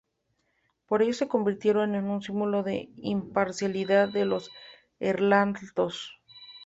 Por ello se convirtieron en un símbolo de la imparcialidad de los heraldos.